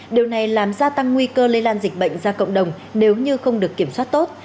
điều này làm gia tăng nguy cơ lây lan dịch bệnh ra cộng đồng nếu như không được kiểm soát tốt